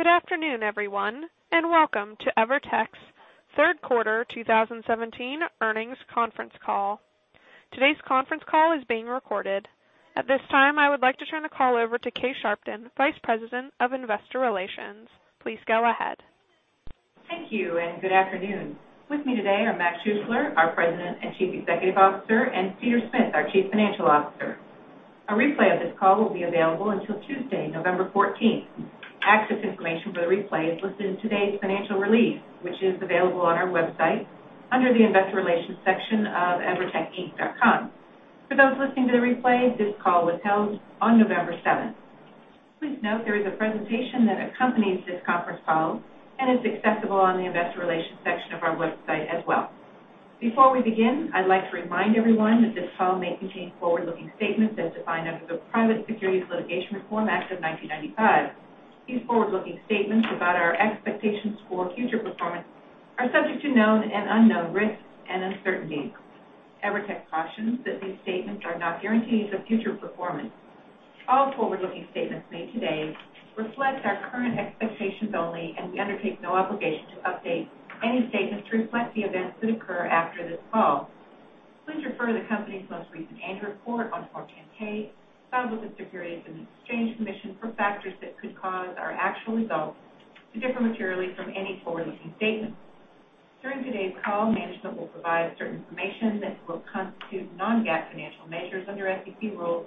Good afternoon, everyone, and welcome to EVERTEC's third quarter 2017 earnings conference call. Today's conference call is being recorded. At this time, I would like to turn the call over to Kay Sharpton, Vice President of Investor Relations. Please go ahead. Thank you, and good afternoon. With me today are Morgan Schuessler, our President and Chief Executive Officer, and Peter Smith, our Chief Financial Officer. A replay of this call will be available until Tuesday, November 14th. Access information for the replay is listed in today's financial release, which is available on our website under the investor relations section of evertecinc.com. For those listening to the replay, this call was held on November 7th. Please note there is a presentation that accompanies this conference call and is accessible on the investor relations section of our website as well. Before we begin, I'd like to remind everyone that this call may contain forward-looking statements as defined under the Private Securities Litigation Reform Act of 1995. These forward-looking statements about our expectations for future performance are subject to known and unknown risks and uncertainties. EVERTEC cautions that these statements are not guarantees of future performance. All forward-looking statements made today reflect our current expectations only, and we undertake no obligation to update any statements to reflect the events that occur after this call. Please refer to the company's most recent annual report on Form 10-K filed with the Securities and Exchange Commission for factors that could cause our actual results to differ materially from any forward-looking statements. During today's call, management will provide certain information that will constitute non-GAAP financial measures under SEC rules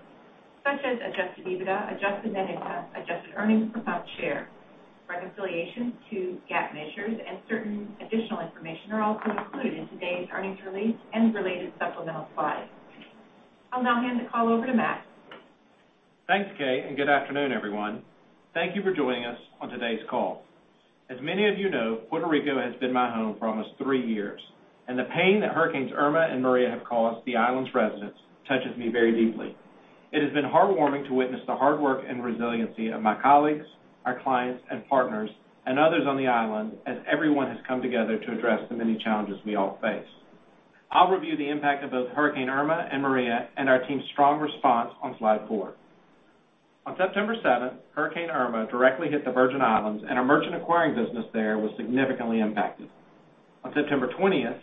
such as adjusted EBITDA, adjusted net income, adjusted earnings per share. Reconciliation to GAAP measures and certain additional information are also included in today's earnings release and related supplemental slides. I'll now hand the call over to Mac. Thanks, Kay, and good afternoon, everyone. Thank you for joining us on today's call. As many of you know, Puerto Rico has been my home for almost three years, and the pain that Hurricane Irma and Hurricane Maria have caused the island's residents touches me very deeply. It has been heartwarming to witness the hard work and resiliency of my colleagues, our clients and partners, and others on the island as everyone has come together to address the many challenges we all face. I'll review the impact of both Hurricane Irma and Hurricane Maria and our team's strong response on slide four. On September 7th, Hurricane Irma directly hit the Virgin Islands, and our merchant acquiring business there was significantly impacted. On September 20th,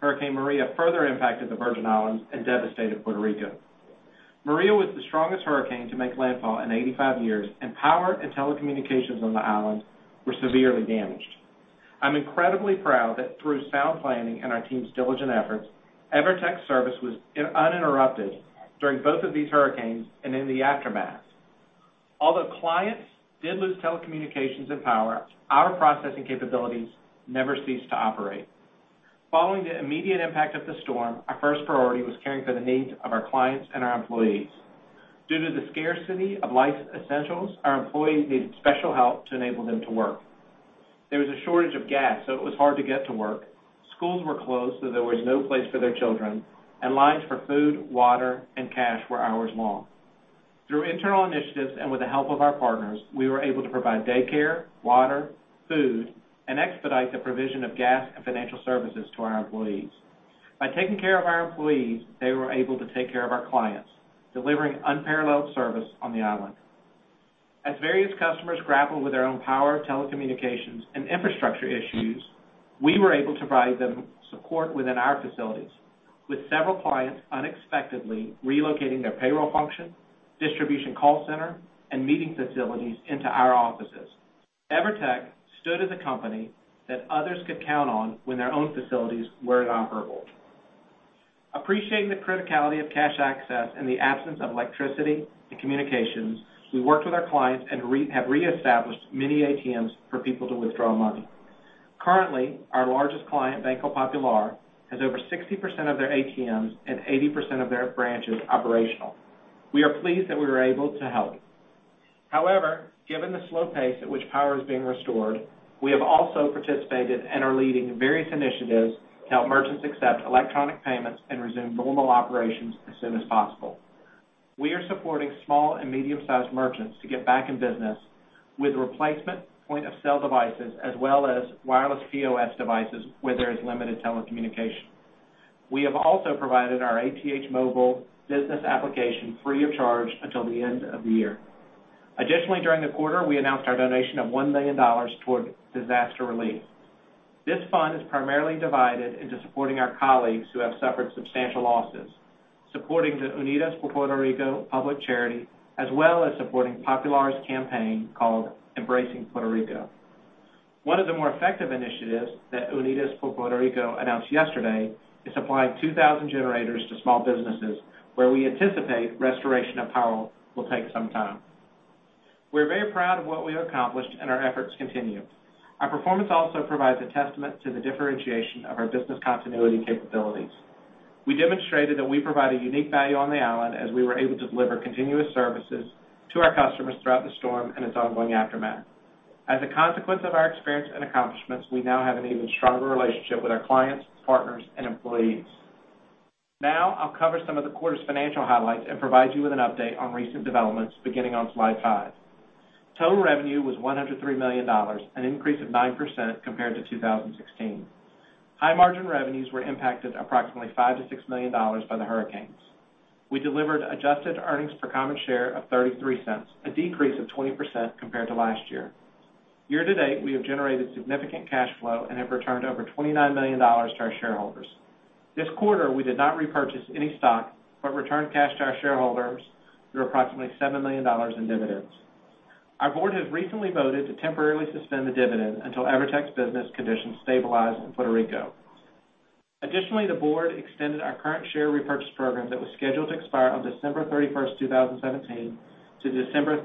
Hurricane Maria further impacted the Virgin Islands and devastated Puerto Rico. Maria was the strongest hurricane to make landfall in 85 years, and power and telecommunications on the island were severely damaged. I'm incredibly proud that through sound planning and our team's diligent efforts, EVERTEC's service was uninterrupted during both of these hurricanes and in the aftermath. Although clients did lose telecommunications and power, our processing capabilities never ceased to operate. Following the immediate impact of the storm, our first priority was caring for the needs of our clients and our employees. Due to the scarcity of life's essentials, our employees needed special help to enable them to work. There was a shortage of gas, so it was hard to get to work. Schools were closed, so there was no place for their children, and lines for food, water, and cash were hours long. Through internal initiatives and with the help of our partners, we were able to provide daycare, water, food, and expedite the provision of gas and financial services to our employees. By taking care of our employees, they were able to take care of our clients, delivering unparalleled service on the island. As various customers grappled with their own power, telecommunications, and infrastructure issues, we were able to provide them support within our facilities, with several clients unexpectedly relocating their payroll function, distribution call center, and meeting facilities into our offices. EVERTEC stood as a company that others could count on when their own facilities were inoperable. Appreciating the criticality of cash access in the absence of electricity and communications, we worked with our clients and have reestablished many ATMs for people to withdraw money. Currently, our largest client, Banco Popular, has over 60% of their ATMs and 80% of their branches operational. We are pleased that we were able to help. However, given the slow pace at which power is being restored, we have also participated and are leading various initiatives to help merchants accept electronic payments and resume normal operations as soon as possible. We are supporting small and medium-sized merchants to get back in business with replacement point-of-sale devices, as well as wireless POS devices where there is limited telecommunication. We have also provided our ATH Móvil business application free of charge until the end of the year. Additionally, during the quarter, we announced our donation of $1 million toward disaster relief. This fund is primarily divided into supporting our colleagues who have suffered substantial losses, supporting the Unidos por Puerto Rico public charity, as well as supporting Popular's campaign called Embracing Puerto Rico. One of the more effective initiatives that Unidos por Puerto Rico announced yesterday is supplying 2,000 generators to small businesses where we anticipate restoration of power will take some time. We're very proud of what we have accomplished, and our efforts continue. Our performance also provides a testament to the differentiation of our business continuity capabilities. We demonstrated that we provide a unique value on the island as we were able to deliver continuous services to our customers throughout the storm and its ongoing aftermath. As a consequence of our experience and accomplishments, we now have an even stronger relationship with our clients, partners, and employees. Now, I'll cover some of the quarter's financial highlights and provide you with an update on recent developments beginning on slide five. Total revenue was $103 million, an increase of 9% compared to 2016. High margin revenues were impacted approximately $5 million-$6 million by the hurricanes. We delivered adjusted earnings per common share of $0.33, a decrease of 20% compared to last year. Year-to-date, we have generated significant cash flow and have returned over $29 million to our shareholders. This quarter, we did not repurchase any stock but returned cash to our shareholders through approximately $7 million in dividends. Our board has recently voted to temporarily suspend the dividend until EVERTEC's business conditions stabilize in Puerto Rico. Additionally, the board extended our current share repurchase program that was scheduled to expire on December 31st, 2017, to December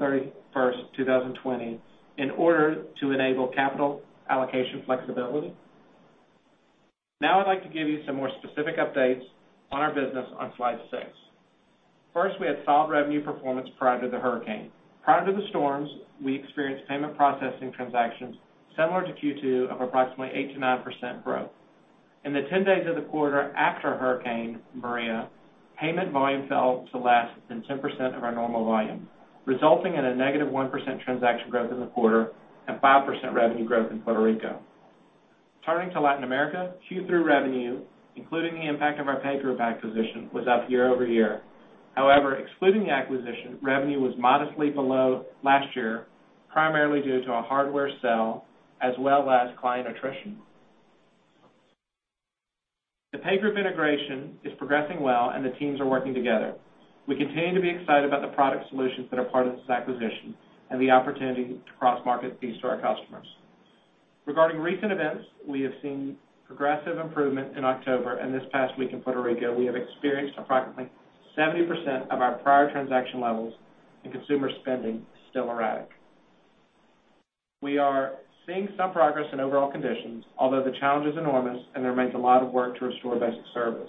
31st, 2020, in order to enable capital allocation flexibility. Now I'd like to give you some more specific updates on our business on slide six. First, we had solid revenue performance prior to the hurricane. Prior to the storms, we experienced payment processing transactions similar to Q2 of approximately 8%-9% growth. In the 10 days of the quarter after Hurricane Maria, payment volume fell to less than 10% of our normal volume, resulting in a negative 1% transaction growth in the quarter and 5% revenue growth in Puerto Rico. Turning to Latin America, Q3 revenue, including the impact of our PayGroup acquisition, was up year-over-year. However, excluding the acquisition, revenue was modestly below last year, primarily due to a hardware sell as well as client attrition. The PayGroup integration is progressing well, and the teams are working together. We continue to be excited about the product solutions that are part of this acquisition and the opportunity to cross-market these to our customers. Regarding recent events, we have seen progressive improvement in October and this past week in Puerto Rico. We have experienced approximately 70% of our prior transaction levels, and consumer spending is still erratic. We are seeing some progress in overall conditions, although the challenge is enormous and there remains a lot of work to restore basic service.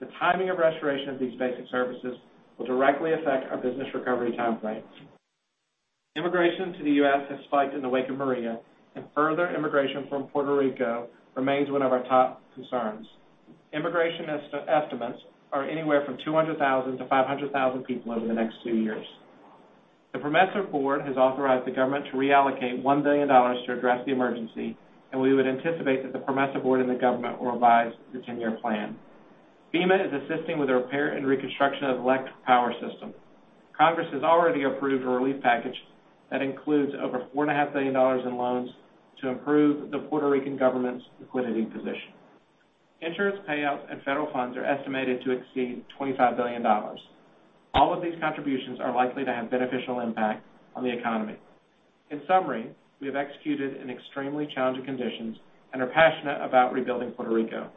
The timing of restoration of these basic services will directly affect our business recovery time frames. Immigration to the U.S. has spiked in the wake of Maria, and further immigration from Puerto Rico remains one of our top concerns. Immigration estimates are anywhere from 200,000-500,000 people over the next two years. The PROMESA board has authorized the government to reallocate $1 billion to address the emergency, and we would anticipate that the PROMESA board and the government will revise the 10-year plan. FEMA is assisting with the repair and reconstruction of electric power systems. Congress has already approved a relief package that includes over $4.5 billion in loans to improve the Puerto Rican government's liquidity position. Insurance payouts and federal funds are estimated to exceed $25 billion. All of these contributions are likely to have beneficial impact on the economy. In summary, we have executed in extremely challenging conditions and are passionate about rebuilding Puerto Rico.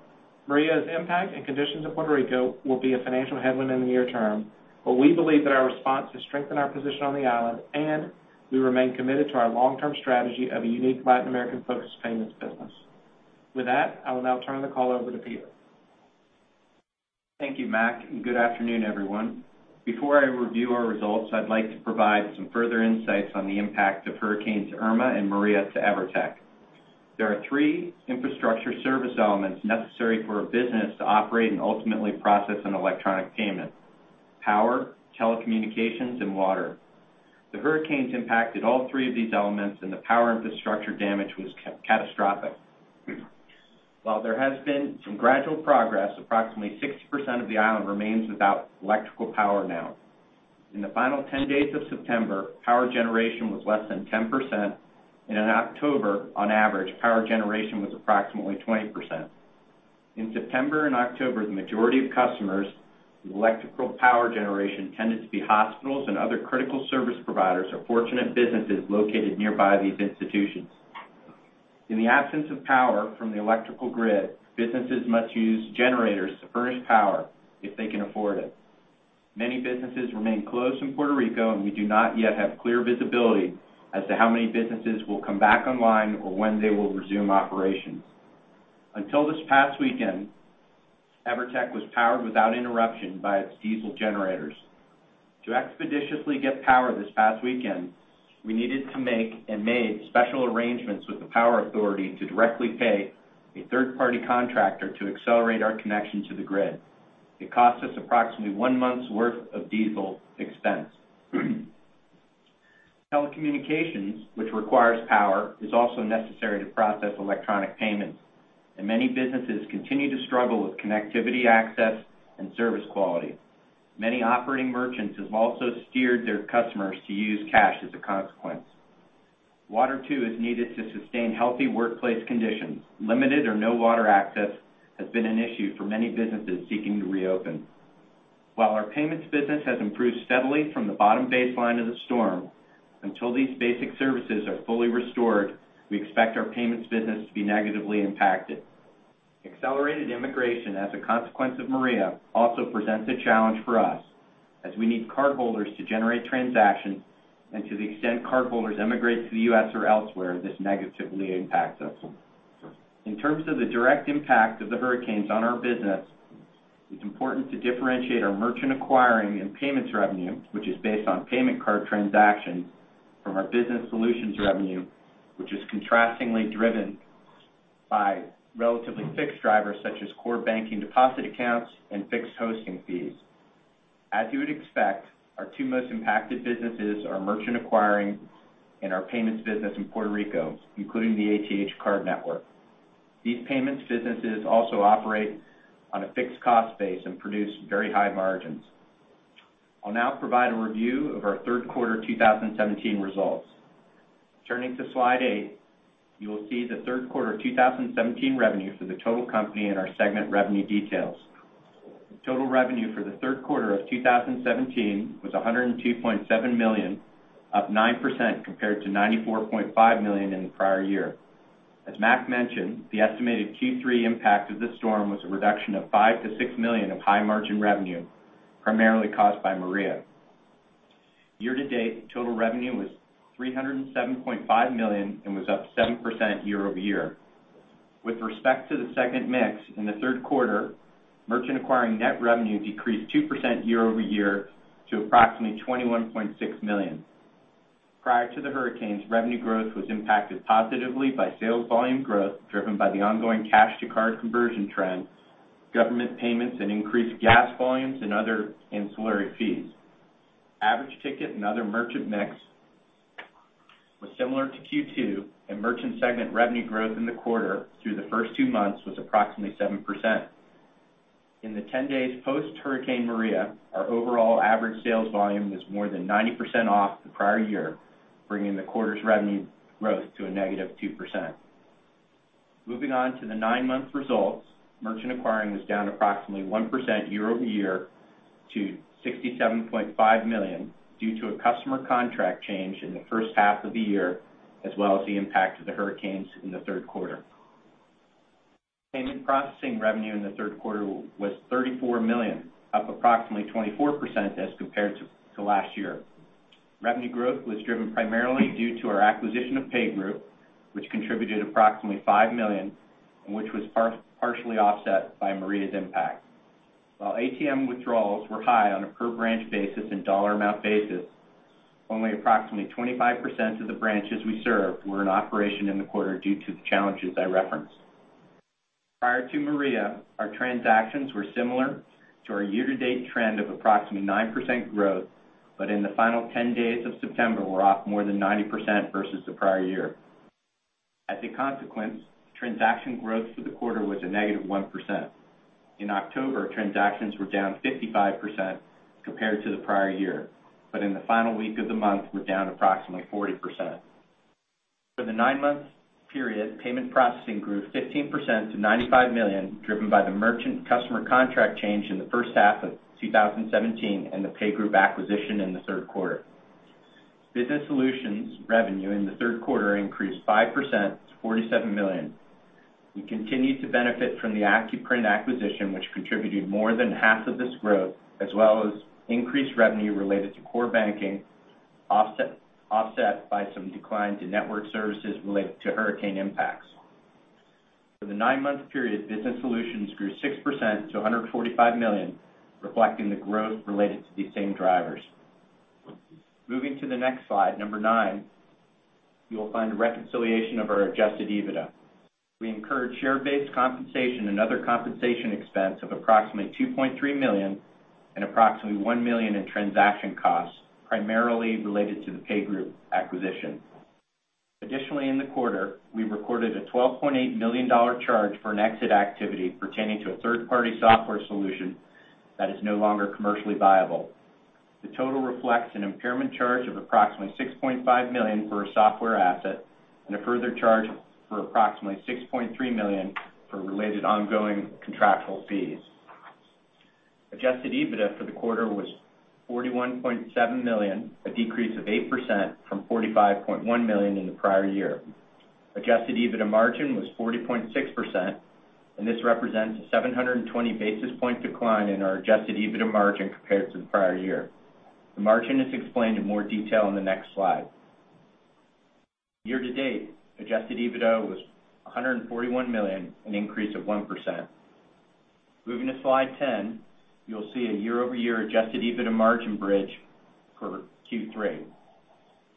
Maria's impact and conditions in Puerto Rico will be a financial headwind in the near term, but we believe that our response has strengthened our position on the island, and we remain committed to our long-term strategy of a unique Latin American-focused payments business. With that, I will now turn the call over to Peter. Thank you, Mac, and good afternoon, everyone. Before I review our results, I'd like to provide some further insights on the impact of hurricanes Irma and Maria to EVERTEC. There are three infrastructure service elements necessary for a business to operate and ultimately process an electronic payment: power, telecommunications, and water. The hurricanes impacted all three of these elements, and the power infrastructure damage was catastrophic. While there has been some gradual progress, approximately 60% of the island remains without electrical power now. In the final 10 days of September, power generation was less than 10%, and in October, on average, power generation was approximately 20%. In September and October, the majority of customers with electrical power generation tended to be hospitals and other critical service providers or fortunate businesses located nearby these institutions. In the absence of power from the electrical grid, businesses must use generators to furnish power if they can afford it. Many businesses remain closed in Puerto Rico, and we do not yet have clear visibility as to how many businesses will come back online or when they will resume operations. Until this past weekend, EVERTEC was powered without interruption by its diesel generators. To expeditiously get power this past weekend, we needed to make and made special arrangements with the power authority to directly pay a third-party contractor to accelerate our connection to the grid. It cost us approximately one month's worth of diesel expense. Telecommunications, which requires power, is also necessary to process electronic payments, and many businesses continue to struggle with connectivity access and service quality. Many operating merchants have also steered their customers to use cash as a consequence. Water, too, is needed to sustain healthy workplace conditions. Limited or no water access has been an issue for many businesses seeking to reopen. While our payments business has improved steadily from the bottom baseline of the storm, until these basic services are fully restored, we expect our payments business to be negatively impacted. Accelerated immigration as a consequence of Hurricane Maria also presents a challenge for us as we need cardholders to generate transactions, and to the extent cardholders emigrate to the U.S. or elsewhere, this negatively impacts us. In terms of the direct impact of the hurricanes on our business, it's important to differentiate our merchant acquiring and payments revenue, which is based on payment card transactions, from our business solutions revenue, which is contrastingly driven by relatively fixed drivers such as core banking deposit accounts and fixed hosting fees. As you would expect, our two most impacted businesses are merchant acquiring and our payments business in Puerto Rico, including the ATH Card network. These payments businesses also operate on a fixed cost base and produce very high margins. I'll now provide a review of our third quarter 2017 results. Turning to slide eight, you will see the third quarter 2017 revenue for the total company and our segment revenue details. The total revenue for the third quarter of 2017 was $102.7 million, up 9% compared to $94.5 million in the prior year. As Mac mentioned, the estimated Q3 impact of the storm was a reduction of $5 million-$6 million of high margin revenue, primarily caused by Maria. Year-to-date, total revenue was $307.5 million and was up 7% year-over-year. With respect to the second mix in the third quarter, merchant acquiring net revenue decreased 2% year-over-year to approximately $21.6 million. Prior to the hurricanes, revenue growth was impacted positively by sales volume growth driven by the ongoing cash-to-card conversion trend, government payments, and increased gas volumes in other ancillary fees. Average ticket and other merchant mix was similar to Q2, and merchant segment revenue growth in the quarter through the first two months was approximately 7%. In the 10 days post Hurricane Maria, our overall average sales volume was more than 90% off the prior year, bringing the quarter's revenue growth to a negative 2%. Moving on to the nine-month results, merchant acquiring was down approximately 1% year-over-year to $67.5 million due to a customer contract change in the first half of the year, as well as the impact of the hurricanes in the third quarter. Payment processing revenue in the third quarter was $34 million, up approximately 24% as compared to last year. Revenue growth was driven primarily due to our acquisition of PayGroup, which contributed approximately $5 million and which was partially offset by Maria's impact. While ATM withdrawals were high on a per-branch basis and dollar amount basis, only approximately 25% of the branches we serve were in operation in the quarter due to the challenges I referenced. Prior to Maria, our transactions were similar to our year-to-date trend of approximately 9% growth, but in the final 10 days of September were off more than 90% versus the prior year. As a consequence, transaction growth for the quarter was a negative 1%. In October, transactions were down 55% compared to the prior year. In the final week of the month, were down approximately 40%. For the nine-month period, payment processing grew 15% to $95 million, driven by the merchant customer contract change in the first half of 2017 and the PayGroup acquisition in the third quarter. Business solutions revenue in the third quarter increased 5% to $47 million. We continued to benefit from the Accuprint acquisition, which contributed more than half of this growth, as well as increased revenue related to core banking, offset by some decline to network services related to hurricane impacts. For the nine-month period, business solutions grew 6% to $145 million, reflecting the growth related to these same drivers. Moving to the next slide, number nine, you will find a reconciliation of our adjusted EBITDA. We incurred share-based compensation and other compensation expense of approximately $2.3 million and approximately $1 million in transaction costs, primarily related to the PayGroup acquisition. Additionally, in the quarter, we recorded a $12.8 million charge for an exit activity pertaining to a third-party software solution that is no longer commercially viable. The total reflects an impairment charge of approximately $6.5 million for a software asset and a further charge for approximately $6.3 million for related ongoing contractual fees. Adjusted EBITDA for the quarter was $41.7 million, a decrease of 8% from $45.1 million in the prior year. Adjusted EBITDA margin was 40.6%, and this represents a 720 basis point decline in our adjusted EBITDA margin compared to the prior year. The margin is explained in more detail in the next slide. Year-to-date, adjusted EBITDA was $141 million, an increase of 1%. Moving to slide 10, you'll see a year-over-year adjusted EBITDA margin bridge for Q3.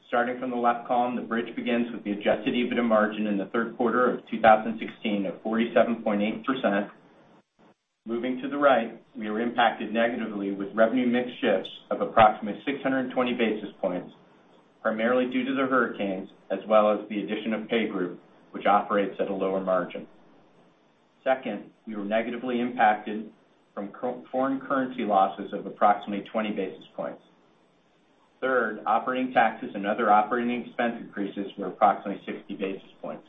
Starting from the left column, the bridge begins with the adjusted EBITDA margin in the third quarter of 2016 of 47.8%. Moving to the right, we were impacted negatively with revenue mix shifts of approximately 620 basis points, primarily due to the hurricanes as well as the addition of PayGroup, which operates at a lower margin. Second, we were negatively impacted from foreign currency losses of approximately 20 basis points. Third, operating taxes and other operating expense increases were approximately 60 basis points.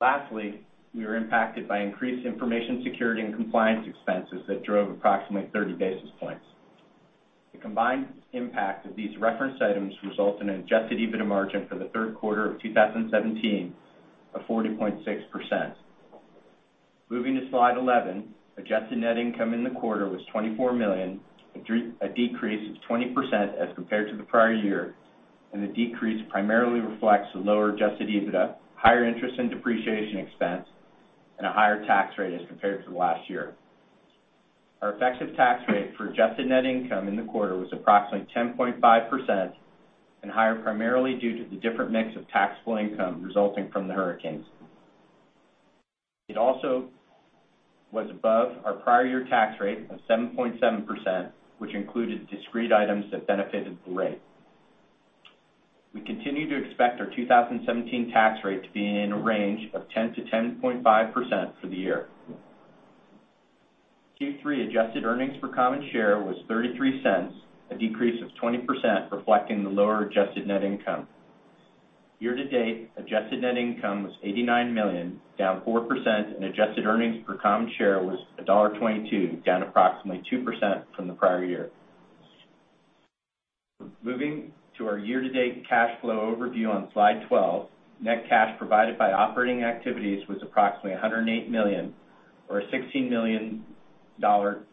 Lastly, we were impacted by increased information security and compliance expenses that drove approximately 30 basis points. The combined impact of these referenced items result in an adjusted EBITDA margin for the third quarter of 2017 of 40.6%. Moving to slide 11, adjusted net income in the quarter was $24 million, a decrease of 20% as compared to the prior year, and the decrease primarily reflects the lower adjusted EBITDA, higher interest and depreciation expense, and a higher tax rate as compared to last year. Our effective tax rate for adjusted net income in the quarter was approximately 10.5% and higher, primarily due to the different mix of taxable income resulting from the hurricanes. It also was above our prior year tax rate of 7.7%, which included discrete items that benefited the rate. We continue to expect our 2017 tax rate to be in a range of 10%-10.5% for the year. Q3 adjusted earnings per common share was $0.33, a decrease of 20%, reflecting the lower adjusted net income. Year-to-date, adjusted net income was $89 million, down 4%, and adjusted earnings per common share was $1.22, down approximately 2% from the prior year. Moving to our year-to-date cash flow overview on slide 12, net cash provided by operating activities was approximately $108 million, or a $16 million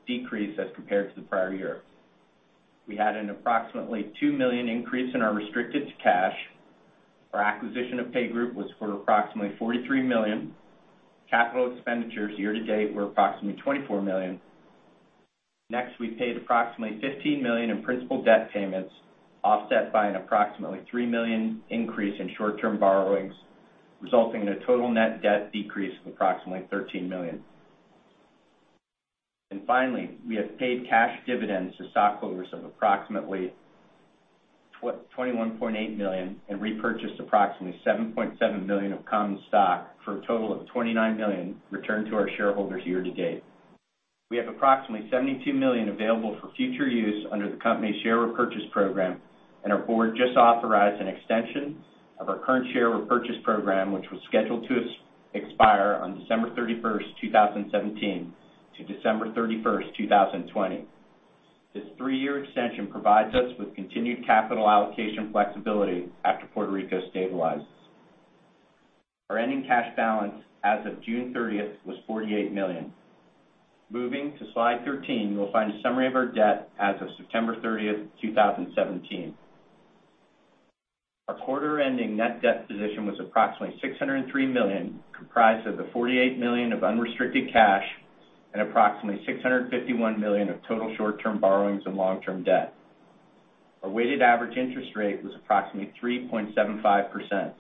decrease as compared to the prior year. We had an approximately $2 million increase in our restricted cash. Our acquisition of PayGroup was for approximately $43 million. Capital expenditures year-to-date were approximately $24 million. Next, we paid approximately $15 million in principal debt payments, offset by an approximately $3 million increase in short-term borrowings, resulting in a total net debt decrease of approximately $13 million. Finally, we have paid cash dividends to stockholders of approximately $21.8 million and repurchased approximately $7.7 million of common stock for a total of $29 million returned to our shareholders year-to-date. We have approximately $72 million available for future use under the company's share repurchase program. Our board just authorized an extension of our current share repurchase program, which was scheduled to expire on December 31st, 2017, to December 31st, 2020. This three-year extension provides us with continued capital allocation flexibility after Puerto Rico stabilizes. Our ending cash balance as of September 30th was $48 million. Moving to slide 13, you will find a summary of our debt as of September 30th, 2017. Our quarter-ending net debt position was approximately $603 million, comprised of the $48 million of unrestricted cash and approximately $651 million of total short-term borrowings and long-term debt. Our weighted average interest rate was approximately 3.75%.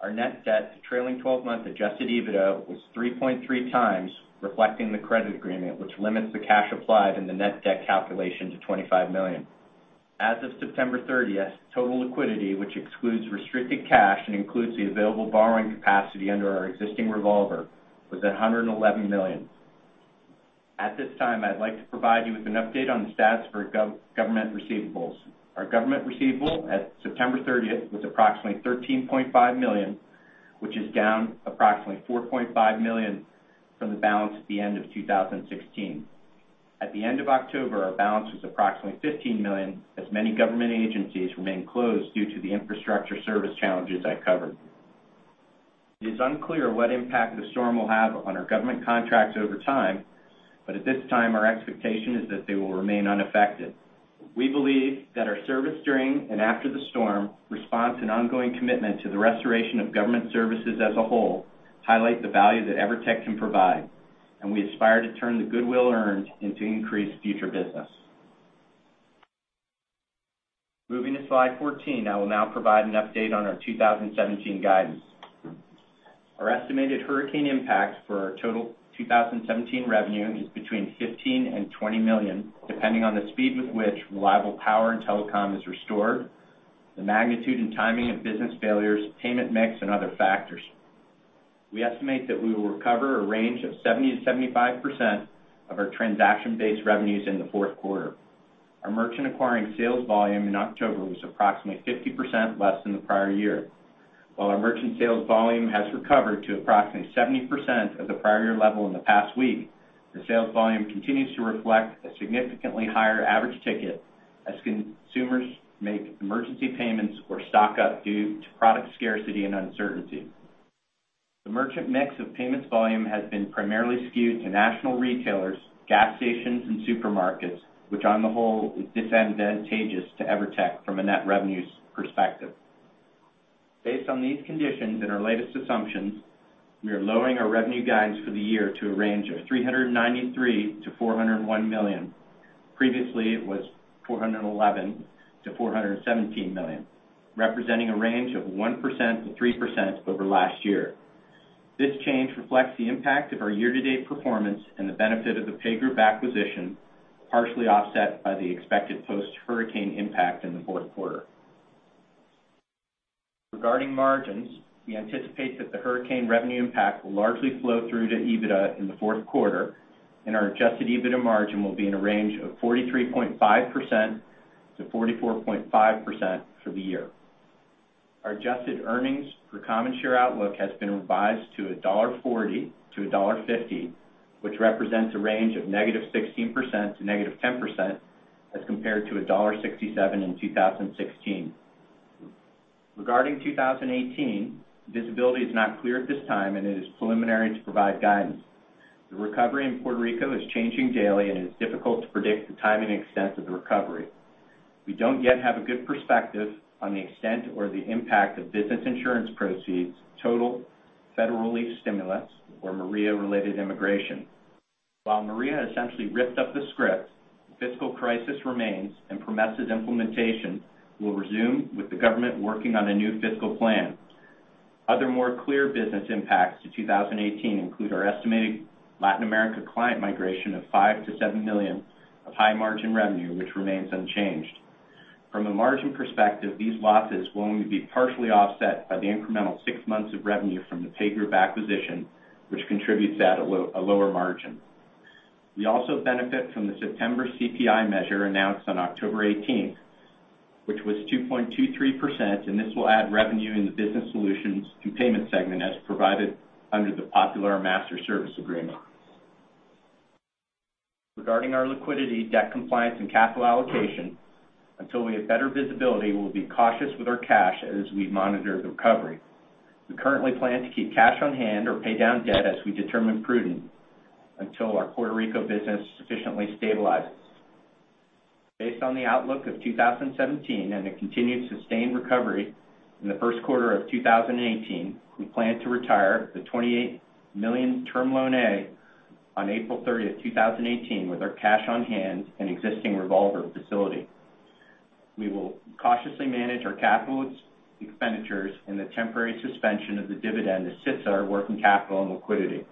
Our net debt to trailing 12-month adjusted EBITDA was 3.3 times, reflecting the credit agreement, which limits the cash applied in the net debt calculation to $25 million. As of September 30th, total liquidity, which excludes restricted cash and includes the available borrowing capacity under our existing revolver, was at $111 million. At this time, I'd like to provide you with an update on the stats for government receivables. Our government receivable at September 30th was approximately $13.5 million, which is down approximately $4.5 million from the balance at the end of 2016. At the end of October, our balance was approximately $15 million, as many government agencies remain closed due to the infrastructure service challenges I covered. It is unclear what impact the storm will have on our government contracts over time, but at this time, our expectation is that they will remain unaffected. We believe that our service during and after the storm response and ongoing commitment to the restoration of government services as a whole highlight the value that EVERTEC can provide. We aspire to turn the goodwill earned into increased future business. Moving to slide 14, I will now provide an update on our 2017 guidance. Our estimated hurricane impact for our total 2017 revenue is between $15 million and $20 million, depending on the speed with which reliable power and telecom is restored, the magnitude and timing of business failures, payment mix, and other factors. We estimate that we will recover a range of 70%-75% of our transaction-based revenues in the fourth quarter. Our merchant acquiring sales volume in October was approximately 50% less than the prior year. While our merchant sales volume has recovered to approximately 70% of the prior year level in the past week, the sales volume continues to reflect a significantly higher average ticket as consumers make emergency payments or stock up due to product scarcity and uncertainty. The merchant mix of payments volume has been primarily skewed to national retailers, gas stations, and supermarkets, which on the whole is disadvantageous to EVERTEC from a net revenues perspective. Based on these conditions and our latest assumptions, we are lowering our revenue guidance for the year to a range of $393 million to $401 million. Previously, it was $411 million to $417 million, representing a range of 1%-3% over last year. This change reflects the impact of our year-to-date performance and the benefit of the PayGroup acquisition, partially offset by the expected post-hurricane impact in the fourth quarter. Regarding margins, we anticipate that the hurricane revenue impact will largely flow through to EBITDA in the fourth quarter, and our adjusted EBITDA margin will be in a range of 43.5%-44.5% for the year. Our adjusted earnings per common share outlook has been revised to $1.40-$1.50, which represents a range of negative 16% to negative 10% as compared to $1.67 in 2016. Regarding 2018, visibility is not clear at this time, and it is preliminary to provide guidance. The recovery in Puerto Rico is changing daily, and it is difficult to predict the time and extent of the recovery. We don't yet have a good perspective on the extent or the impact of business insurance proceeds, total federal relief stimulus, or Maria-related immigration. While Maria essentially ripped up the script, the fiscal crisis remains and PROMESA implementation will resume with the government working on a new fiscal plan. Other more clear business impacts to 2018 include our estimated Latin America client migration of $5 million-$7 million of high-margin revenue, which remains unchanged. From a margin perspective, these losses will only be partially offset by the incremental six months of revenue from the PayGroup acquisition, which contributes at a lower margin. We also benefit from the September CPI measure announced on October 18th, which was 2.23%, and this will add revenue in the business solutions to payment segment as provided under the Popular Master Service Agreement. Regarding our liquidity, debt compliance, and capital allocation, until we have better visibility, we'll be cautious with our cash as we monitor the recovery. We currently plan to keep cash on hand or pay down debt as we determine prudent until our Puerto Rico business sufficiently stabilizes. Based on the outlook of 2017 and a continued sustained recovery in the first quarter of 2018, we plan to retire the $28 million Term Loan A on April 30th, 2018, with our cash on hand and existing revolver facility. We will cautiously manage our capital expenditures and the temporary suspension of the dividend assists our working capital and liquidity.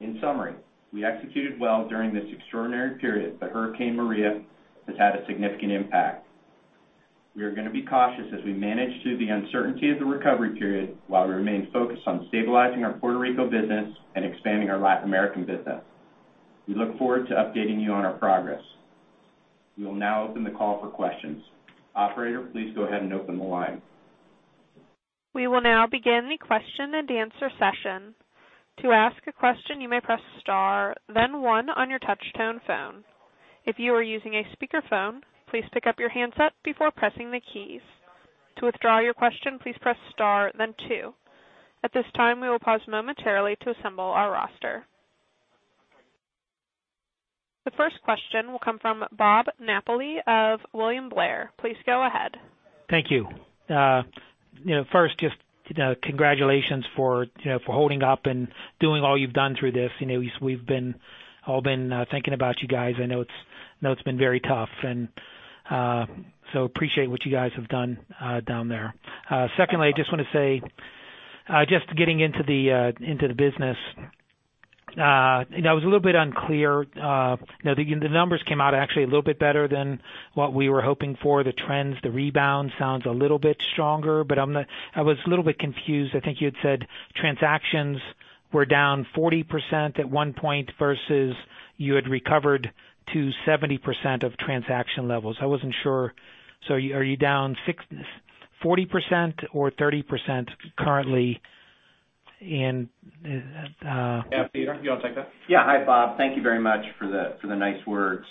In summary, we executed well during this extraordinary period, but Hurricane Maria has had a significant impact. We are going to be cautious as we manage through the uncertainty of the recovery period while we remain focused on stabilizing our Puerto Rico business and expanding our Latin American business. We look forward to updating you on our progress. We will now open the call for questions. Operator, please go ahead and open the line. We will now begin the question and answer session. To ask a question, you may press star 1 on your touch-tone phone. If you are using a speakerphone, please pick up your handset before pressing the keys. To withdraw your question, please press star 2. At this time, we will pause momentarily to assemble our roster. The first question will come from Bob Napoli of William Blair. Please go ahead. Thank you. First, congratulations for holding up and doing all you've done through this. We've all been thinking about you guys. I know it's been very tough. Appreciate what you guys have done down there. Secondly, want to say, getting into the business. I was a little bit unclear. The numbers came out actually a little bit better than what we were hoping for. The trends, the rebound sounds a little bit stronger, but I was a little bit confused. I think you had said transactions were down 40% at one point versus you had recovered to 70% of transaction levels. I wasn't sure. Are you down 40% or 30% currently in- Peter, do you want to take that? Yeah. Hi, Bob. Thank you very much for the nice words.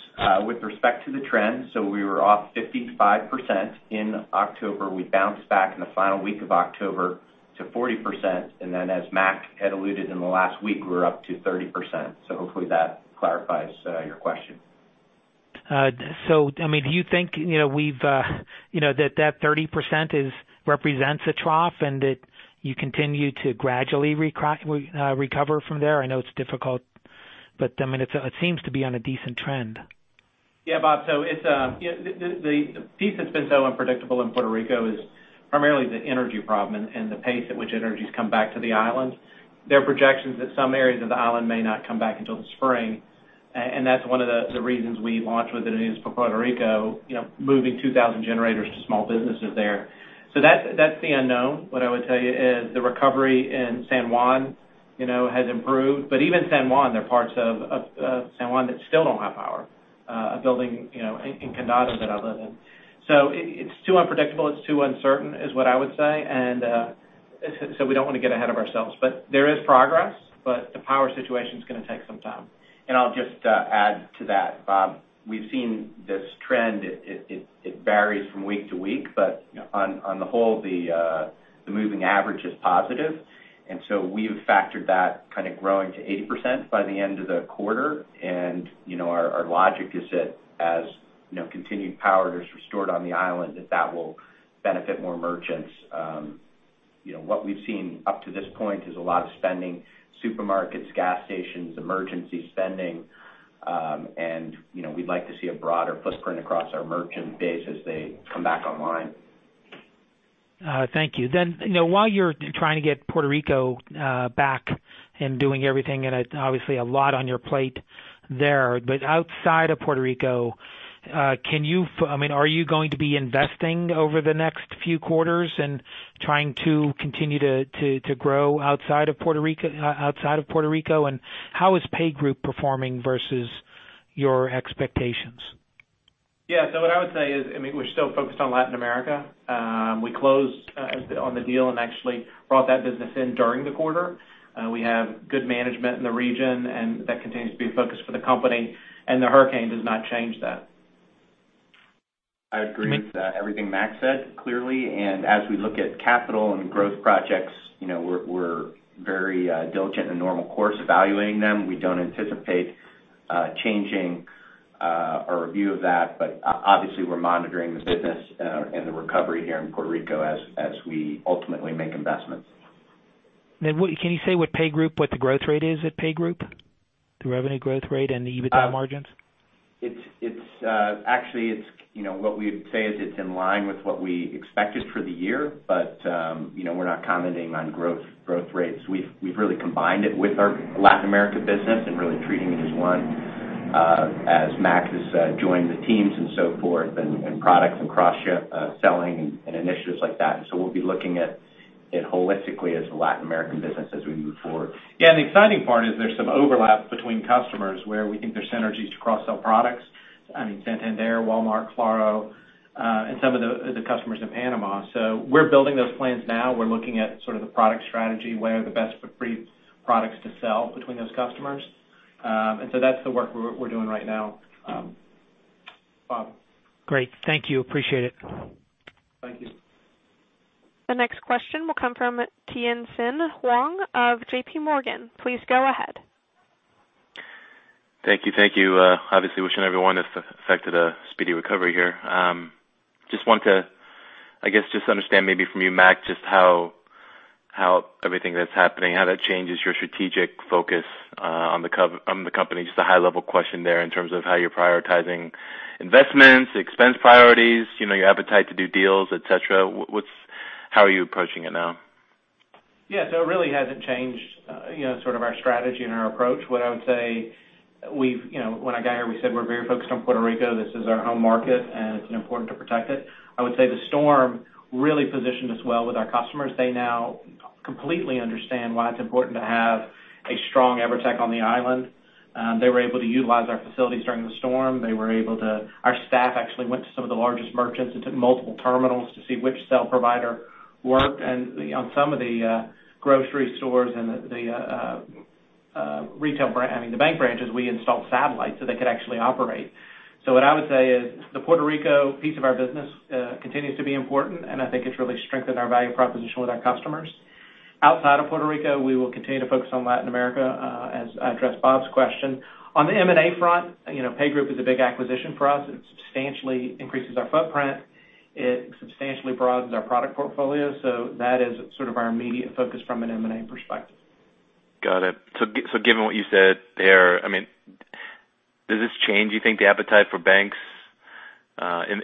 With respect to the trends, we were off 55% in October. We bounced back in the final week of October to 40%, and then as Mac had alluded in the last week, we're up to 30%. Hopefully that clarifies your question. Do you think that 30% represents a trough and that you continue to gradually recover from there? I know it's difficult, but it seems to be on a decent trend. Yeah, Bob. The piece that's been so unpredictable in Puerto Rico is primarily the energy problem and the pace at which energy's come back to the island. There are projections that some areas of the island may not come back until the spring, and that's one of the reasons we launched with Unidos por Puerto Rico, moving 2,000 generators to small businesses there. That's the unknown. What I would tell you is the recovery in San Juan has improved. Even San Juan, there are parts of San Juan that still don't have power. A building in Condado that I live in. It's too unpredictable, it's too uncertain is what I would say. We don't want to get ahead of ourselves. There is progress, but the power situation's going to take some time. I'll just add to that, Bob. We've seen this trend, it varies from week to week, but on the whole, the moving average is positive. We've factored that kind of growing to 80% by the end of the quarter. Our logic is that as continued power is restored on the island, that that will benefit more merchants. What we've seen up to this point is a lot of spending, supermarkets, gas stations, emergency spending. We'd like to see a broader footprint across our merchant base as they come back online. Thank you. While you're trying to get Puerto Rico back and doing everything, and obviously a lot on your plate there. Outside of Puerto Rico, are you going to be investing over the next few quarters and trying to continue to grow outside of Puerto Rico, and how is PayGroup performing versus your expectations? Yeah. What I would say is, we're still focused on Latin America. We closed on the deal and actually brought that business in during the quarter. We have good management in the region, and that continues to be a focus for the company, and the hurricane does not change that. I agree with everything Mac said, clearly. As we look at capital and growth projects, we're very diligent in the normal course evaluating them. We don't anticipate Changing our view of that, obviously we're monitoring the business and the recovery here in Puerto Rico as we ultimately make investments. Can you say what the growth rate is at PayGroup? The revenue growth rate and the EBITDA margins? Actually, what we would say is it's in line with what we expected for the year, but we're not commenting on growth rates. We've really combined it with our Latin America business and really treating it as one as Mac has joined the teams and so forth, and products and cross-selling and initiatives like that. We'll be looking at it holistically as the Latin American business as we move forward. Yeah. The exciting part is there's some overlap between customers where we think there's synergies to cross-sell products. I mean, Santander, Walmart, Claro and some of the other customers in Panama. We're building those plans now. We're looking at sort of the product strategy, where are the best products to sell between those customers. That's the work we're doing right now. Bob. Great. Thank you. Appreciate it. Thank you. The next question will come from Tien-Tsin Huang of J.P. Morgan. Please go ahead. Thank you. Obviously wishing everyone that's affected a speedy recovery here. Just want to, I guess, just understand maybe from you, Mac, just how everything that's happening, how that changes your strategic focus on the company. Just a high level question there in terms of how you're prioritizing investments, expense priorities, your appetite to do deals, et cetera. How are you approaching it now? It really hasn't changed sort of our strategy and our approach. What I would say, when I got here, we said we're very focused on Puerto Rico. This is our home market, and it's important to protect it. I would say the storm really positioned us well with our customers. They now completely understand why it's important to have a strong EVERTEC on the island. They were able to utilize our facilities during the storm. Our staff actually went to some of the largest merchants and took multiple terminals to see which cell provider worked. On some of the grocery stores and the bank branches, we installed satellites so they could actually operate. What I would say is the Puerto Rico piece of our business continues to be important, and I think it's really strengthened our value proposition with our customers. Outside of Puerto Rico, we will continue to focus on Latin America, as I addressed Bob's question. On the M&A front, PayGroup is a big acquisition for us. It substantially increases our footprint. It substantially broadens our product portfolio. That is sort of our immediate focus from an M&A perspective. Got it. Given what you said there, does this change, you think, the appetite for banks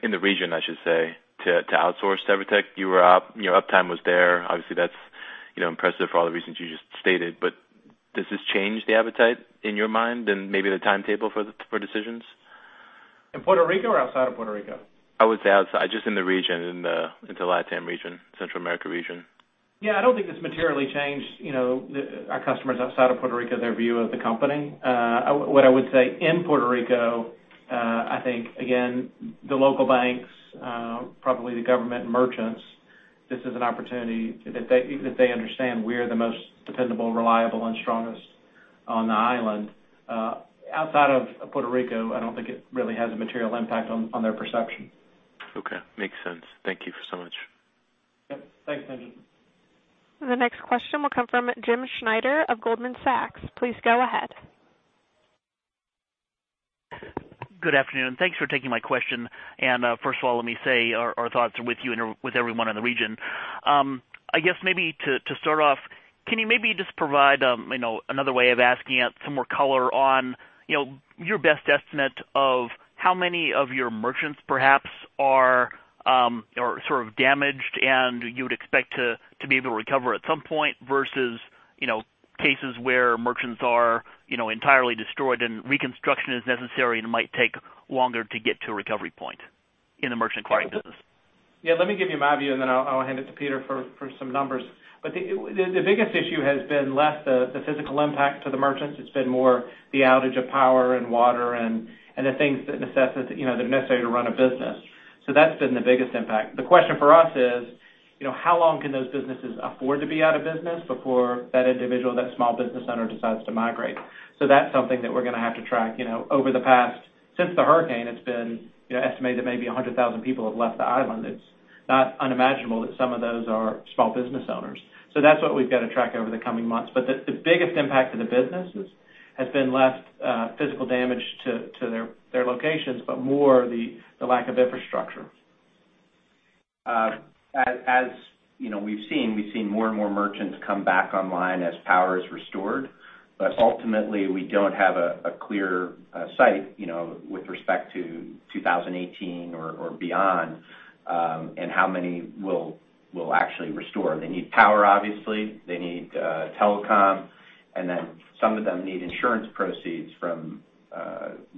in the region, I should say, to outsource to EVERTEC? Your uptime was there. Obviously, that's impressive for all the reasons you just stated, does this change the appetite in your mind and maybe the timetable for decisions? In Puerto Rico or outside of Puerto Rico? I would say outside, just in the region, in the Latin region, Central America region. Yeah. I don't think it's materially changed our customers outside of Puerto Rico, their view of the company. What I would say in Puerto Rico, I think again, the local banks, probably the government merchants, this is an opportunity that they understand we're the most dependable, reliable, and strongest on the island. Outside of Puerto Rico, I don't think it really has a material impact on their perception. Okay. Makes sense. Thank you so much. Yep. Thanks, Tien-Tsin. The next question will come from James Schneider of Goldman Sachs. Please go ahead. Good afternoon. Thanks for taking my question. First of all, let me say our thoughts are with you and with everyone in the region. I guess maybe to start off, can you maybe just provide another way of asking it, some more color on your best estimate of how many of your merchants perhaps are sort of damaged and you would expect to be able to recover at some point versus cases where merchants are entirely destroyed and reconstruction is necessary and might take longer to get to a recovery point in the merchant acquiring business? Yeah. Let me give you my view and then I'll hand it to Peter for some numbers. The biggest issue has been less the physical impact to the merchants. It's been more the outage of power and water and the things that are necessary to run a business. That's been the biggest impact. The question for us is how long can those businesses afford to be out of business before that individual, that small business owner decides to migrate? That's something that we're going to have to track. Over the past, since the hurricane, it's been estimated that maybe 100,000 people have left the island. It's not unimaginable that some of those are small business owners. That's what we've got to track over the coming months. The biggest impact to the businesses has been less physical damage to their locations, but more the lack of infrastructure. As we've seen more and more merchants come back online as power is restored, but ultimately we don't have a clear sight with respect to 2018 or beyond and how many will actually restore. They need power, obviously. They need telecom, and then some of them need insurance proceeds from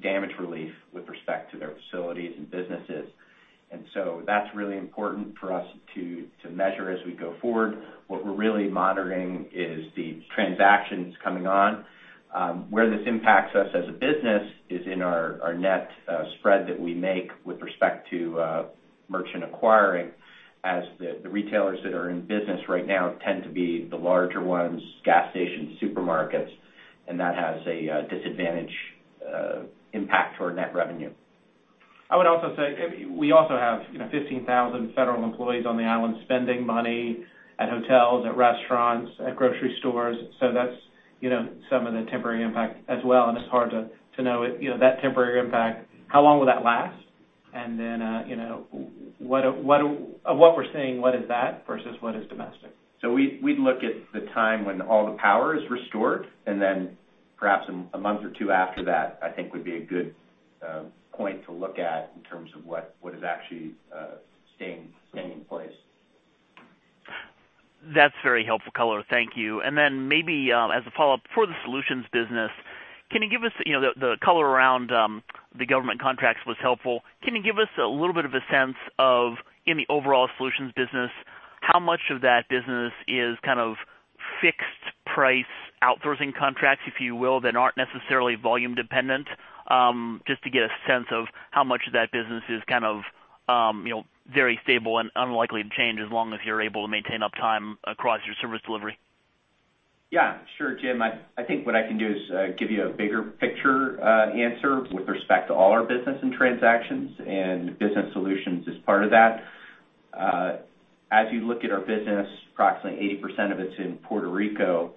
damage relief with respect to their facilities and businesses. That's really important for us to measure as we go forward. What we're really monitoring is the transactions coming on. Where this impacts us as a business is in our net spread that we make with respect to merchant acquiring as the retailers that are in business right now tend to be the larger ones, gas stations, supermarkets, and that has a disadvantage impact to our net revenue. I would also say, we also have 15,000 federal employees on the island spending money at hotels, at restaurants, at grocery stores. That's some of the temporary impact as well, and it's hard to know that temporary impact. How long will that last? Of what we're seeing, what is that versus what is domestic? We'd look at the time when all the power is restored, then perhaps a month or two after that, I think would be a good point to look at in terms of what is actually staying in place. That's very helpful color. Thank you. Then maybe as a follow-up, for the solutions business, the color around the government contracts was helpful. Can you give us a little bit of a sense of, in the overall solutions business, how much of that business is kind of fixed-price outsourcing contracts, if you will, that aren't necessarily volume dependent? Just to get a sense of how much of that business is kind of very stable and unlikely to change as long as you're able to maintain uptime across your service delivery. Yeah. Sure, Jim. I think what I can do is give you a bigger picture answer with respect to all our business and transactions, and business solutions is part of that. As you look at our business, approximately 80% of it's in Puerto Rico,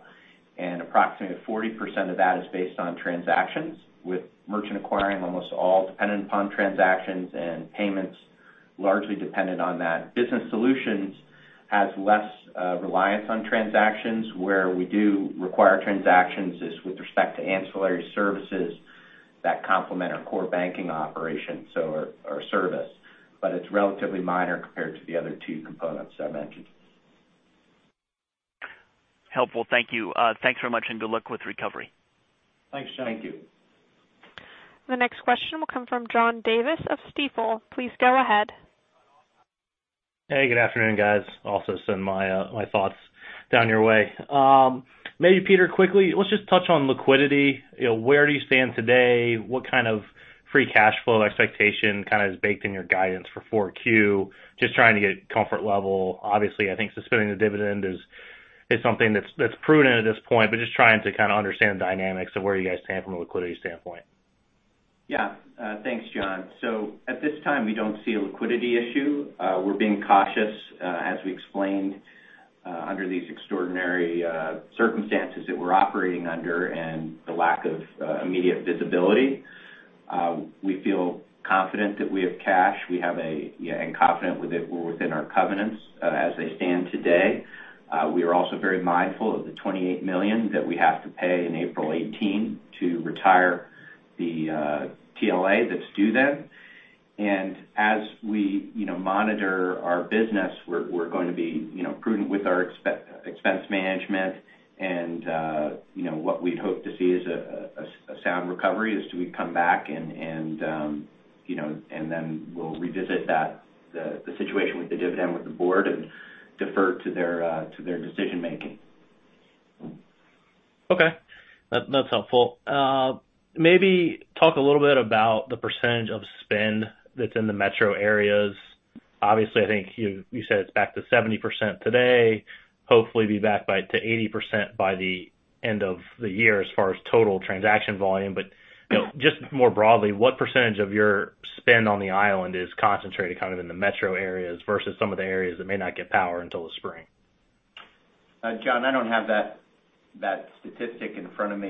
and approximately 40% of that is based on transactions, with merchant acquiring almost all dependent upon transactions, and payments largely dependent on that. Business solutions has less reliance on transactions. Where we do require transactions is with respect to ancillary services that complement our core banking operations, so our service. It's relatively minor compared to the other two components that I've mentioned. Helpful. Thank you. Thanks very much, and good luck with recovery. Thanks, Jim. Thank you. The next question will come from John Davis of Stifel. Please go ahead. Hey, good afternoon, guys. Send my thoughts down your way. Maybe Peter, quickly, let's just touch on liquidity. Where do you stand today? What kind of free cash flow expectation kind of is baked in your guidance for 4Q? Just trying to get comfort level. Obviously, I think suspending the dividend is something that's prudent at this point, but just trying to kind of understand the dynamics of where you guys stand from a liquidity standpoint. Yeah. Thanks, John. At this time, we don't see a liquidity issue. We're being cautious as we explained under these extraordinary circumstances that we're operating under and the lack of immediate visibility. We feel confident that we have cash. We are confident that we're within our covenants as they stand today. We are also very mindful of the $28 million that we have to pay in April 2018 to retire the TLA that's due then. As we monitor our business, we're going to be prudent with our expense management. What we'd hope to see is a sound recovery as we come back and then we'll revisit the situation with the dividend, with the board and defer to their decision-making. Okay. That's helpful. Maybe talk a little bit about the percentage of spend that's in the metro areas. Obviously, I think you said it's back to 70% today. Hopefully be back to 80% by the end of the year as far as total transaction volume. Just more broadly, what percentage of your spend on the island is concentrated kind of in the metro areas versus some of the areas that may not get power until the spring? John, I don't have that statistic in front of me.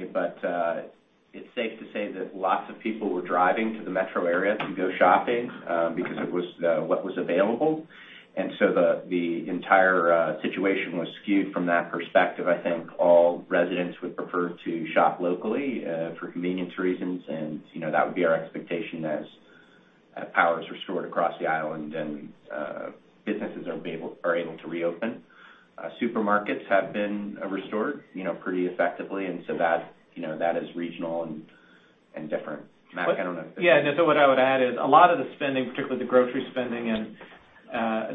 It's safe to say that lots of people were driving to the metro area to go shopping because it was what was available. The entire situation was skewed from that perspective. I think all residents would prefer to shop locally for convenience reasons. That would be our expectation as power is restored across the island and businesses are able to reopen. Supermarkets have been restored pretty effectively. That is regional and different. Mac, I don't know if- Yeah, what I would add is a lot of the spending, particularly the grocery spending and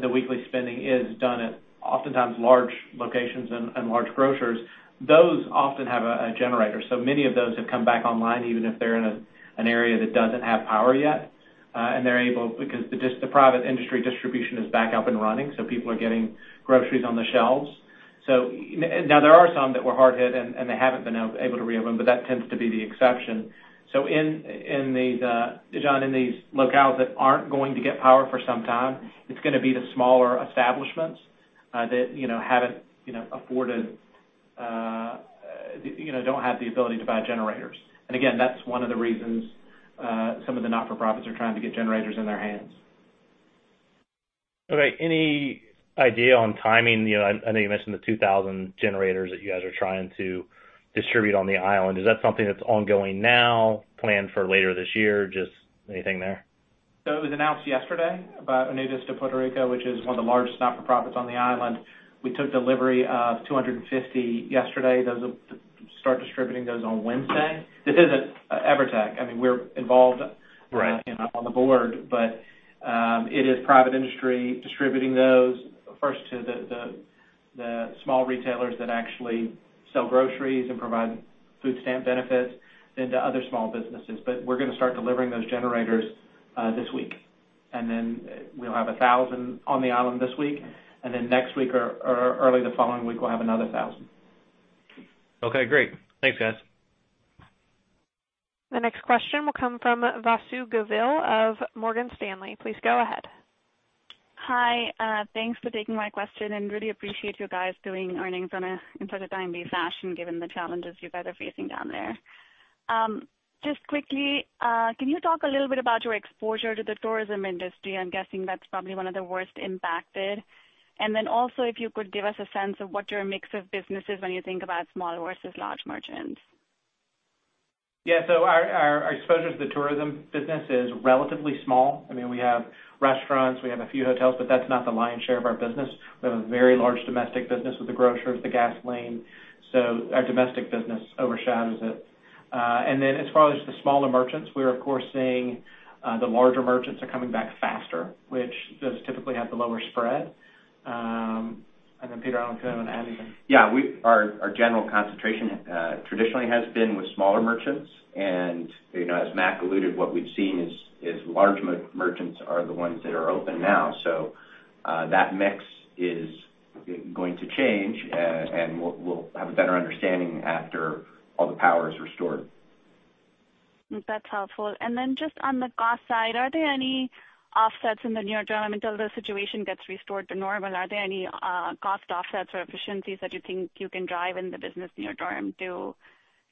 the weekly spending, is done at oftentimes large locations and large grocers. Those often have a generator. Many of those have come back online, even if they're in an area that doesn't have power yet. They're able because the private industry distribution is back up and running. People are getting groceries on the shelves. There are some that were hard hit, and they haven't been able to reopen, but that tends to be the exception. John, in these locales that aren't going to get power for some time, it's going to be the smaller establishments that don't have the ability to buy generators. Again, that's one of the reasons some of the not-for-profits are trying to get generators in their hands. Okay. Any idea on timing? I know you mentioned the 2,000 generators that you guys are trying to distribute on the island. Is that something that's ongoing now, planned for later this year? Just anything there? It was announced yesterday by Unidos por Puerto Rico, which is one of the largest not-for-profits on the island. We took delivery of 250 yesterday. Those will start distributing those on Wednesday. This isn't EVERTEC. I mean, we're involved- Right on the board. It is private industry distributing those first to the small retailers that actually sell groceries and provide food stamp benefits, then to other small businesses. We're going to start delivering those generators this week. We'll have 1,000 on the island this week, and then next week or early the following week, we'll have another 1,000. Okay, great. Thanks, guys. The next question will come from Vasundhara Govil of Morgan Stanley. Please go ahead. Hi. Thanks for taking my question and really appreciate you guys doing earnings in such a time-based fashion given the challenges you guys are facing down there. Just quickly, can you talk a little bit about your exposure to the tourism industry? I'm guessing that's probably one of the worst impacted. Then also if you could give us a sense of what your mix of business is when you think about small versus large merchants. Yeah. Our exposure to the tourism business is relatively small. We have restaurants, we have a few hotels, but that's not the lion's share of our business. We have a very large domestic business with the grocers, the gas lane. Our domestic business overshadows it. As far as the smaller merchants, we're of course seeing the larger merchants are coming back faster, which does typically have the lower spread. Peter, I don't know if you want to add anything. Yeah. Our general concentration traditionally has been with smaller merchants. As Mac alluded, what we've seen is large merchants are the ones that are open now. That mix is going to change and we'll have a better understanding after all the power is restored. That's helpful. Just on the cost side, are there any offsets in the near term until the situation gets restored to normal? Are there any cost offsets or efficiencies that you think you can drive in the business near term to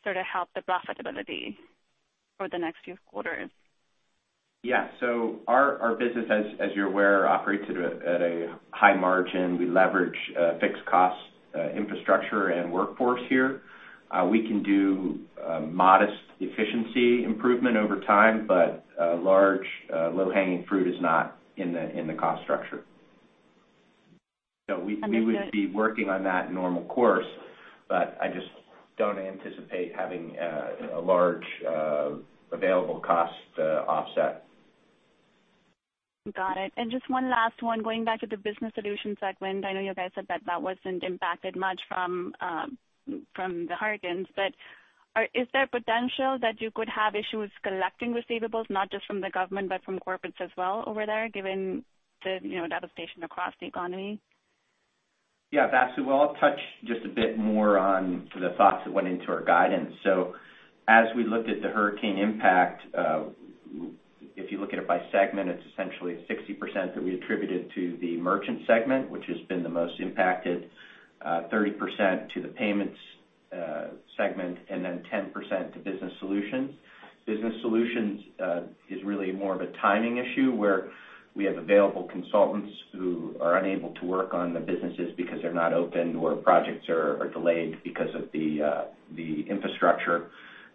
sort of help the profitability for the next few quarters? Our business, as you're aware, operates at a high margin. We leverage fixed costs, infrastructure and workforce here. We can do modest efficiency improvement over time, but large low-hanging fruit is not in the cost structure. We would be working on that normal course, but I just don't anticipate having a large available cost offset. Got it. Just one last one, going back to the Business Solutions segment. I know you guys said that that wasn't impacted much from the hurricanes, but is there potential that you could have issues collecting receivables, not just from the government, but from corporates as well over there given the devastation across the economy? Yeah. Vasu, well, I'll touch just a bit more on the thoughts that went into our guidance. As we looked at the hurricane impact, if you look at it by segment, it's essentially 60% that we attributed to the Merchant segment, which has been the most impacted, 30% to the Payments segment, and then 10% to Business Solutions. Business Solutions is really more of a timing issue where we have available consultants who are unable to work on the businesses because they're not open or projects are delayed because of the infrastructure.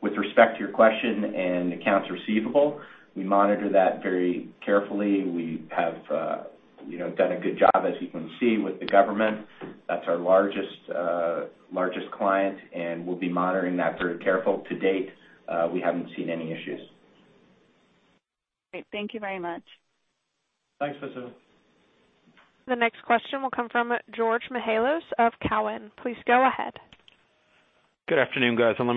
With respect to your question and accounts receivable, we monitor that very carefully. We have done a good job as you can see with the government. That's our largest client and we'll be monitoring that very careful. To date, we haven't seen any issues. Great. Thank you very much. Thanks, Vasu. The next question will come from Georgios Mihalos of Cowen. Please go ahead. Good afternoon, guys. Let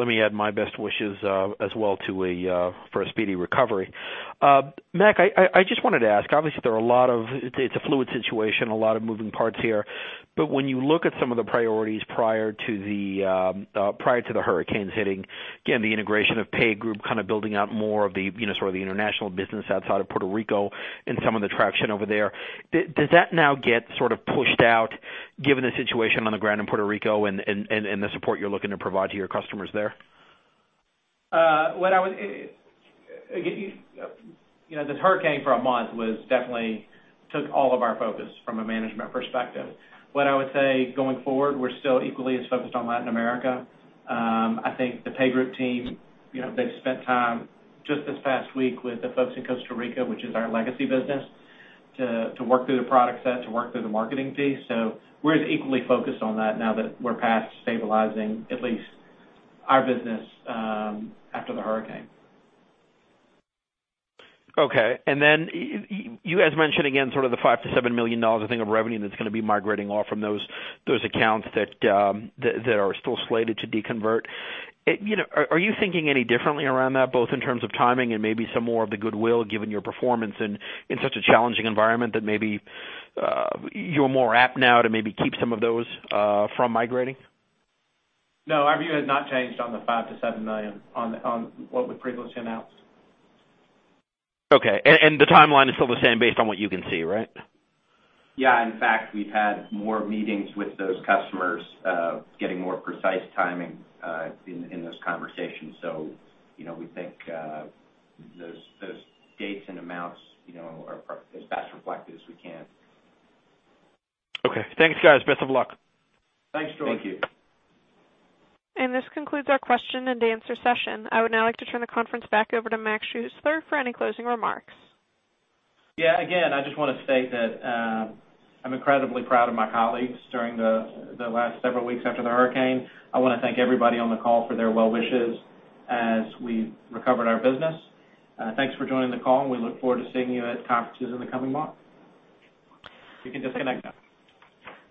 me add my best wishes as well for a speedy recovery. Mac, I just wanted to ask, obviously it's a fluid situation, a lot of moving parts here. When you look at some of the priorities prior to the hurricanes hitting, again, the integration of PayGroup, kind of building out more of the international business outside of Puerto Rico and some of the traction over there, does that now get sort of pushed out given the situation on the ground in Puerto Rico and the support you're looking to provide to your customers there? This hurricane for a month definitely took all of our focus from a management perspective. What I would say going forward, we're still equally as focused on Latin America. I think the PayGroup team, they've spent time just this past week with the folks in Costa Rica, which is our legacy business to work through the product set, to work through the marketing piece. We're as equally focused on that now that we're past stabilizing at least our business after the hurricane. Okay. Then you guys mentioned again sort of the $5 million to $7 million I think of revenue that's going to be migrating off from those accounts that are still slated to deconvert. Are you thinking any differently around that, both in terms of timing and maybe some more of the goodwill given your performance in such a challenging environment that maybe you're more apt now to maybe keep some of those from migrating? No, our view has not changed on the $5 million to $7 million on what we previously announced. Okay. The timeline is still the same based on what you can see, right? Yeah. In fact, we've had more meetings with those customers getting more precise timing in those conversations. We think those dates and amounts are as best reflected as we can. Okay. Thanks, guys. Best of luck. Thanks, George. Thank you. This concludes our question and answer session. I would now like to turn the conference back over to Mac Schuessler for any closing remarks. Yeah. Again, I just want to state that I'm incredibly proud of my colleagues during the last several weeks after the hurricane. I want to thank everybody on the call for their well wishes as we recovered our business. Thanks for joining the call and we look forward to seeing you at conferences in the coming months. You can disconnect now.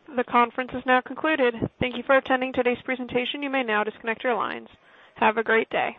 The conference is now concluded. Thank you for attending today's presentation. You may now disconnect your lines. Have a great day.